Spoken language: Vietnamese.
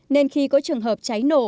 nên khi có trường hợp cháy nổ